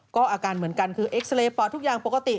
ก็อาการเหมือนกันคือเอ็กซาเรย์ปอดทุกอย่างปกติ